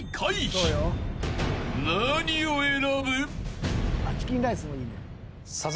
［何を選ぶ？］